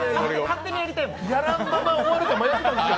やらんまま終わるか迷ったんですよ。